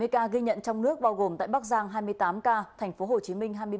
bảy mươi ca ghi nhận trong nước bao gồm tại bắc giang hai mươi tám ca tp hcm hai mươi tám ca